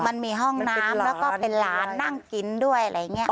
มันมีห้องน้ำแล้วก็เป็นหลานนั่งกินด้วยอะไรอย่างนี้